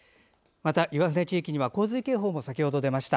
また岩船地域には洪水警報も先ほど出ました。